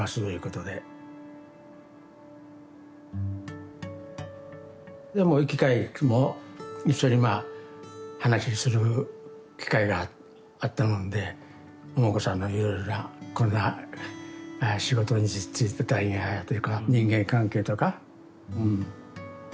でもう行き帰り一緒にまあ話する機会があったもんでももこさんのいろいろなこんな仕事に就いてたんやとか人間関係とかうん。